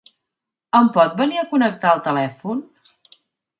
Em pot venir a connectar el telèfon?